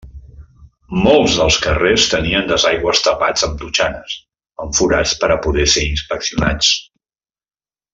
Molts dels carrers tenien desaigües tapats amb totxanes, amb forats per a poder ser inspeccionats.